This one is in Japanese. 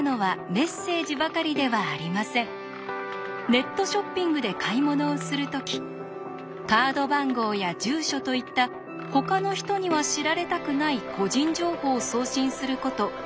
ネットショッピングで買い物をする時カード番号や住所といったほかの人には知られたくない個人情報を送信することありますよね？